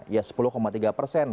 ya sepuluh tiga persen